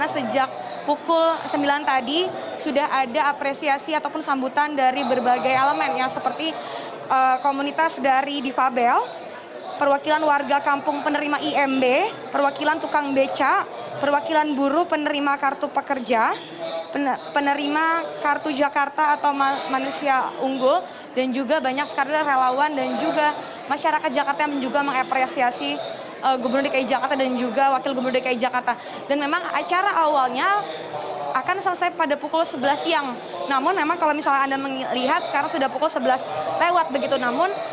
setelah itu memasuki kawasan kartvide yang ada di bundanan senayan dan sudirman